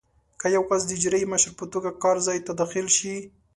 که یو کس د اجرایي مشر په توګه کار ځای ته داخل شي.